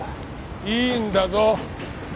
いいんだぞ。